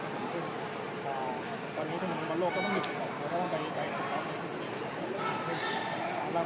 สวัสดีครับขออนุญาตถ้าใครถึงแฟนทีลักษณ์ที่เกิดอยู่แล้วค่ะ